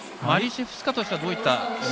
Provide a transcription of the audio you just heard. マリシェフスカとしてはどういった？